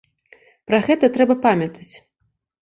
Пра гэта трэба памятаць.